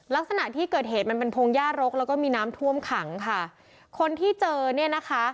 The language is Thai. ลักษณะที่เกิดเหตุมันเป็นพงหญ้ารกแล้วก็มีน้ำท่วมขังค่ะคนที่เจอเนี่ยนะคะ